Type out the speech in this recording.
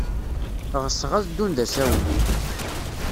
Ɣseɣ ad ddun d asawen.